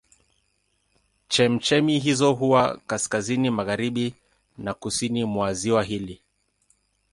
Chemchemi hizo huwa kaskazini magharibi na kusini mwa ziwa hili.